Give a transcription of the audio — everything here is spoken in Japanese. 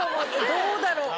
どうだろう。